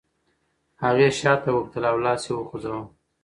هغې شاته وکتل او لاس یې وخوځاوه.